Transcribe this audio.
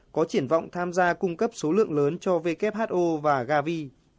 có triển vọng tham gia cung cấp số lượng lớn cho who và gavi